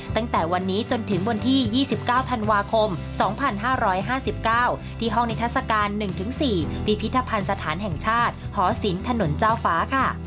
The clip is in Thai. ตั้งแต่วันนี้จนถึงวันที่๒๙ธันวาคม๒๕๕๙ที่ห้องนิทัศกาล๑๔พิพิธภัณฑ์สถานแห่งชาติหอศิลป์ถนนเจ้าฟ้าค่ะ